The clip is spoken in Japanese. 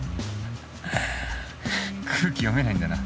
空気読めないんだな。